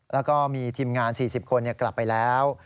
แล้วก็มีทีมงาน๔๐คนกลับไปแล้ว